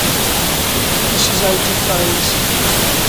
This is out-of-phase.